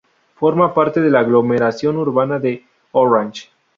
Forma parte de la aglomeración urbana de Orange